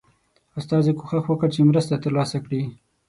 استازي کوښښ وکړ چې مرسته ترلاسه کړي.